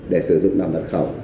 để sử dụng làm mật khẩu